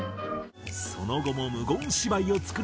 その後も無言芝居を作り続け